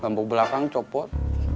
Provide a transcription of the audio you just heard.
bambuk belakang copot